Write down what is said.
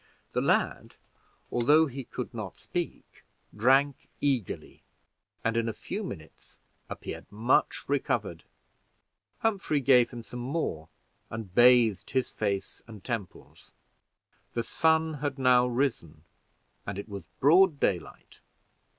The lad, although he could not speak, drank eagerly, and in a few minutes appeared much recovered. Humphrey gave him some more, and bathed his face and temples. The sun had now risen, and it was broad daylight.